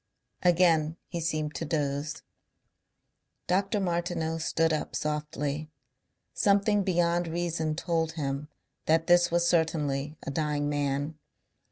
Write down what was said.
Again he seemed to doze. Dr. Martineau stood up softly. Something beyond reason told him that this was certainly a dying man.